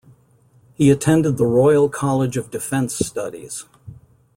He attended the Royal College of Defence Studies.